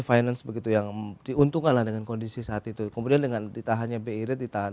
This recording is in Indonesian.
finance begitu yang diuntungkanlah dengan kondisi saat itu kemudian dengan ditahannya bi rate ditahan